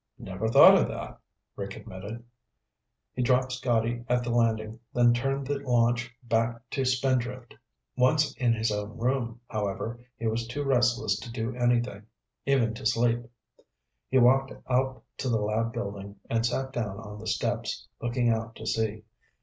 "Never thought of that," Rick admitted. He dropped Scotty at the landing, then turned the launch back to Spindrift. Once in his own room, however, he was too restless to do anything, even to sleep. He walked out to the lab building and sat down on the steps, looking out to sea.